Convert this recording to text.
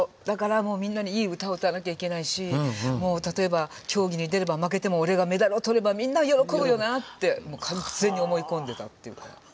だからもうみんなにいい歌を歌わなきゃいけないし例えば競技に出れば負けても俺がメダルを取ればみんな喜ぶよなって完全に思い込んでたっていう。